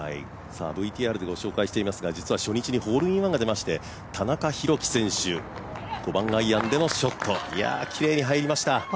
ＶＴＲでご紹介していますが実は初日にホールインワンが出まして田中裕基選手、５番アイアンでのショット、きれいに入りました。